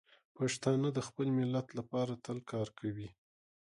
پښتانه د خپل ملت لپاره تل کار کوي.